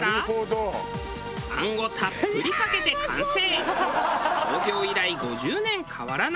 餡をたっぷりかけて完成。